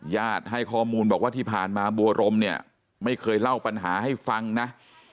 ให้ข้อมูลบอกว่าที่ผ่านมาบัวรมเนี่ยไม่เคยเล่าปัญหาให้ฟังนะ